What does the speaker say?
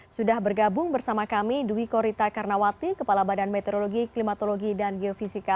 sudah bergabung bersama kami dwi korita karnawati kepala badan meteorologi klimatologi dan geofisika